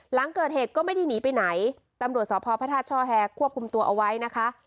หลังเกิดเหตุก็ไม่ได้หนีไปไหนตำรวจสพพระธาตุช่อแฮควบคุมตัวเอาไว้นะคะ